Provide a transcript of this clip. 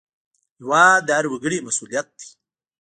هېواد د هر وګړي مسوولیت دی